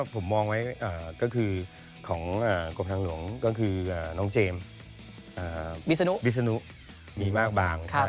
ผมมองไว้ก็คือของกรมทางหลวงก็คือน้องเจมส์วิศนุมีมากบาง